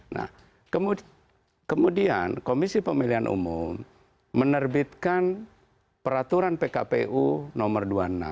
nah kemudian komisi pemilihan umum menerbitkan peraturan pkpu nomor dua puluh enam